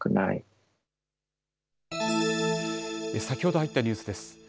先ほど入ったニュースです。